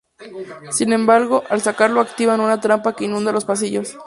Sin embargo, al sacarlo activan una trampa que inunda los pasillos.